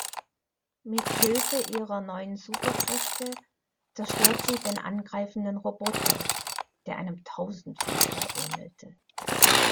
Mit Hilfe ihrer neuen Superkräfte zerstört sie den angreifenden Roboter, der einem Tausendfüßler ähnelte.